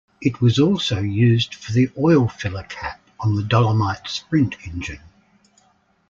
It was also used for the oil filler cap on the Dolomite Sprint engine.